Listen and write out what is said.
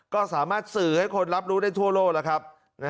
ก็สามารถสื่อให้คนรับรู้ได้ทั่วโลกแล้วครับ